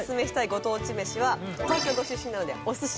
ご当地めしは東京ご出身なのでお寿司。